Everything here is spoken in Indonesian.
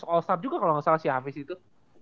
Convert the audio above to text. kalo gak salah si hafiz itu